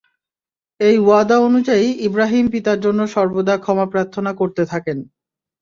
এই ওয়াদা অনুযায়ী ইবরাহীম পিতার জন্যে সর্বদা ক্ষমা প্রার্থনা করতে থাকেন।